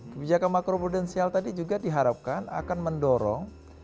kebijakan makro prudensial tadi juga diharapkan akan mendorong